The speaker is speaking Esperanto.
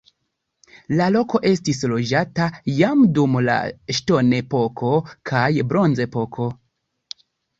La loko estis loĝata jam dum la ŝtonepoko kaj bronzepoko.